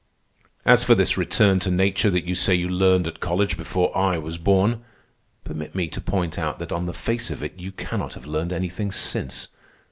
"As for this return to nature that you say you learned at college before I was born, permit me to point out that on the face of it you cannot have learned anything since.